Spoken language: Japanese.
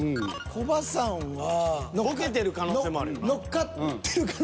コバさんは。ボケてる可能性もあるよな。